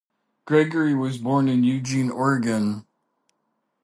Gregory was born in Eugene, Oregon.